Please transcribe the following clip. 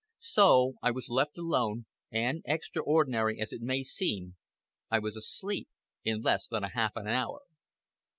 So I was left alone, and, extraordinary as it may seem, I was asleep in less than half an hour.